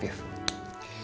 aku mau ke rumah sakit